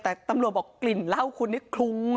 แต่ตำรวจบอกกลิ่นเหล้าคุณคุณเนี่ยคลุง